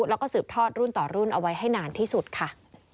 แล้วก็สืบทอดรุ่นต่อรุ่นเอาไว้ให้นานที่สุดค่ะ